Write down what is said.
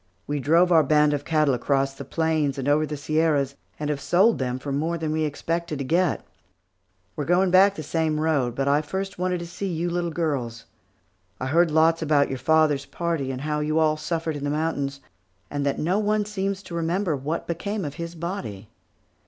We drove our band of cattle across the plains and over the Sierras, and have sold them for more than we expected to get. We are going back the same road, but first I wanted to see you little girls. I heard lots about your father's party, and how you all suffered in the mountains, and that no one seems to remember what became of his body.